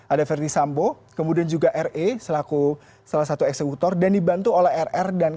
ada ferdis sambo kemudian juga ra salah satu eksekutor dan dibantu oleh rr dan km